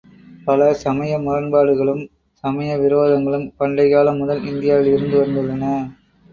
பல சமய முரண்பாடுக்ளும், சமய விரோதங்களும் பண்டைக்கால முதல் இந்தியாவில் இருந்து வந்துள்ளன.